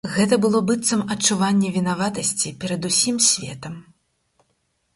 Гэта было быццам адчуванне вінаватасці перад усім светам.